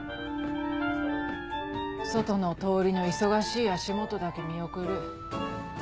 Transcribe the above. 外の通りの忙しい足元だけ見送る。